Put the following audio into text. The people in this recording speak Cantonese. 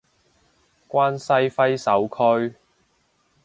關西揮手區